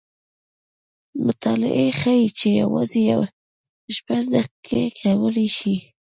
مطالعې ښیې چې یوازې شپږ دقیقې کولی شي